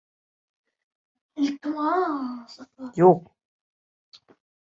Odatda, ishni voqealar bundan buyogʻiga qanday rivojlanishi bilgach, toʻxtataman.